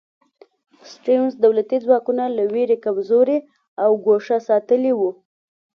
سټیونز دولتي ځواکونه له وېرې کمزوري او ګوښه ساتلي وو.